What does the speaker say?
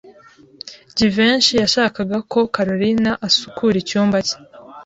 Jivency yashakaga ko Kalorina asukura icyumba cye.